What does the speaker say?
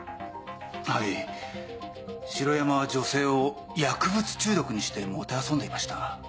はい城山は女性を薬物中毒にしてもてあそんでいました。